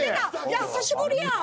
久しぶりやん。